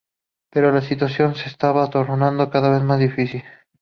Pero la situación se estaba tornando cada vez más difícil.